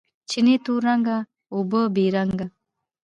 چینې تور رنګه، اوبه بې رنګه